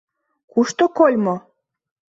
Кушто кольмо?